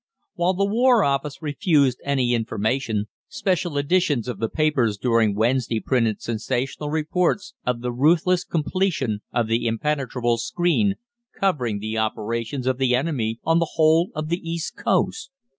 While the War Office refused any information, special editions of the papers during Wednesday printed sensational reports of the ruthless completion of the impenetrable screen covering the operations of the enemy on the whole of the East Coast.